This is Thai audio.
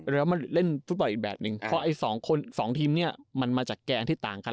เรามริตเล่นฟุตบอลอีกแบบนึงเพราะซองทีมมาจากแก่อันที่ต่างกัน